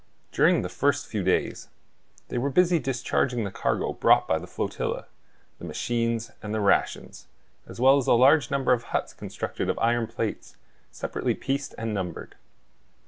During the first few days they were busy discharging the cargo brought by the flotilla, the machines, and the rations, as well as a large number of huts constructed of iron plates, separately pieced and numbered.